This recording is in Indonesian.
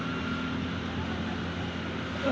u design acara untuk rasulullah